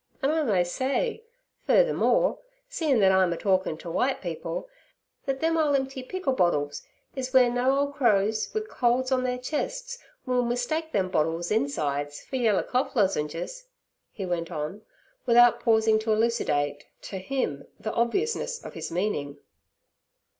'An' I may say, furthermore, seein' thet I'm a talkin' ter w'ite people, thet them ole emp'y pickle bottles is w'eere no crows wi' colds on their chests will mistake them bottles' insides fer yeller cough lozengers' he went on, without pausing to elucidate theto him, obviousness of his meaning.